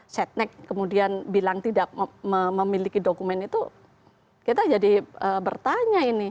setnek kemudian bilang tidak memiliki dokumen itu kita jadi bertanya ini